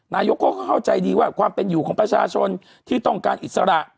นายกเขาก็เข้าใจดีว่าความเป็นอยู่ของประชาชนที่ต้องการอิสระ